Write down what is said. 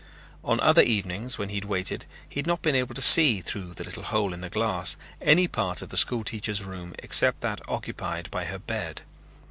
On other evenings when he had waited he had not been able to see, through the little hole in the glass, any part of the school teacher's room except that occupied by her bed.